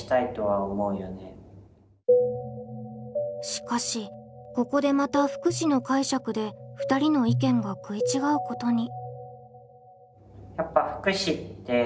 しかしここでまた「福祉」の解釈で２人の意見が食い違うことに。